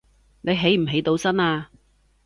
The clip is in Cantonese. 你起唔起到身呀